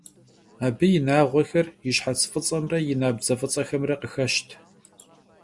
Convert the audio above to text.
Abı yi nağuexer yi şhets f'ıts'emre yi nabdze f'ıts'exemre khıxeşt.